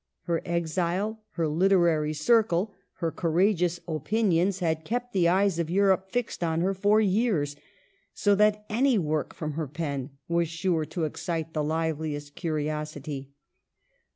Her exile, her literary circle, her cour ageous opinions, had kept the eyes of Europe fixed on her for years, so that any work from her pen was sure to excite the liveliest curiosity.